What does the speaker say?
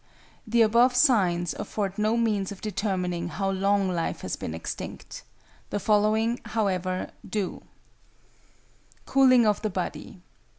The above signs afford no means of determining how long life has been extinct. The following, however, do: =Cooling of the Body.